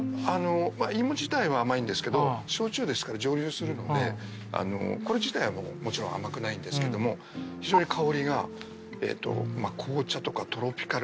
芋自体は甘いんですけど焼酎ですから蒸留するのでこれ自体はもちろん甘くないんですけども非常に香りが紅茶とかトロピカルフルーツ。